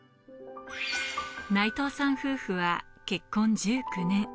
内藤さん夫婦は結婚１９年。